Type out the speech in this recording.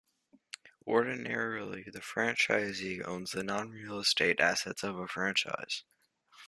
Ordinarily, the franchisee owns the non-real estate assets of a franchise.